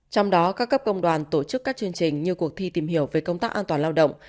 trong đó các cấp công đoàn tổ chức các chương trình như cuộc thi tìm hiểu về công tác an toàn lao động